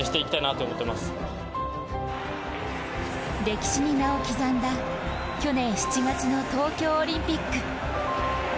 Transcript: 歴史に名を刻んだ去年７月の東京オリンピック。